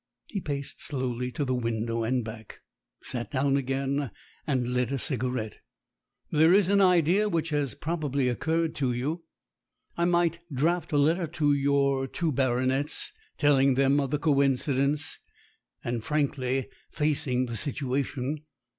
He paced slowly to the window and back, sat down again, and lit a cigarette. "There is an idea which has probably occurred to you. I might draft a letter to your two baronets, telling them of the coincidence, and frankly facing the situation.